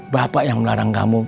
bapak yang melarang kamu